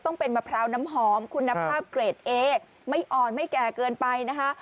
ต้องเป็นมะพร้าวน้ำหอมคุณภาพเกรดเอไม่อ่อนไม่แก่เกินไปนะคะ